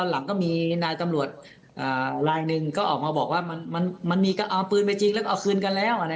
ลายหนึ่งก็ออกมาบอกว่ามันมีกับเอาปืนไปจริงแล้วก็เอาคืนกันแล้ว